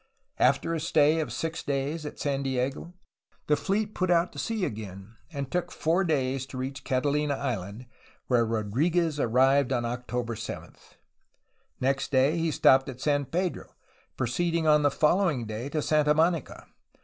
After a stay of six days at San Diego, the fleet put to sea again, and took four days to reach CataUna Island, where Rodriguez arrived on Octo ber 7. Next day, he stopped at San Pedro, proceeding on the following day to Santa Monica.